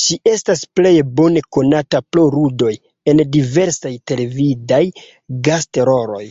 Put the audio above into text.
Ŝi estas plej bone konata pro ludoj en diversaj televidaj gast-roloj.